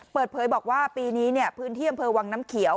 เปิดเผยบอกว่าปีนี้พื้นที่อำเภอวังน้ำเขียว